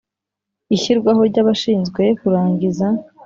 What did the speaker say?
Ishyirwaho ry abashinzwe kurangiza